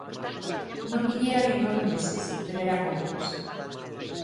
Non viñeran en nove meses, pero eran outros.